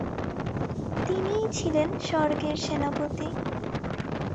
তিনিই ছিলেন স্বর্গের সেনাপতি।